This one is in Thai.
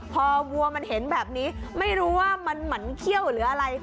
พอวัวมันเห็นแบบนี้ไม่รู้ว่ามันหมั่นเขี้ยวหรืออะไร